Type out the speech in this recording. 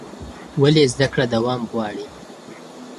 ولې زده کړه دوام غواړي؟